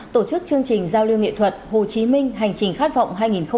tổ chức chương trình giao lưu nghệ thuật hồ chí minh hành trình khát vọng hai nghìn hai mươi